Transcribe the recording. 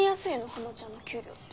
ハマちゃんの給料って。